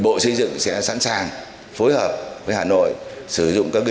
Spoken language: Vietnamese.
bộ xây dựng sẽ sẵn sàng phối hợp với hà nội sử dụng các đơn vị của bộ